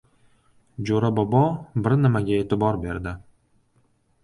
Jo‘ra bobo bir nimaga e’tibor berdi.